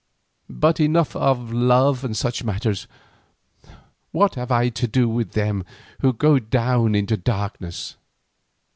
"But enough of love and such matters. What have I to do with them who go down into darkness?"